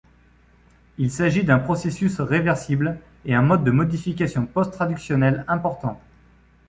Il s'agit d'un processus réversible, et un mode de modification post-traductionnelle important.